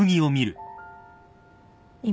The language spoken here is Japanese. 今。